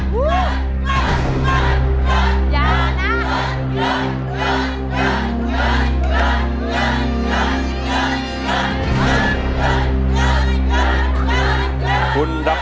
หล่นหล่นหล่น